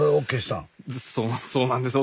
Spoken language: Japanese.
そうなんです。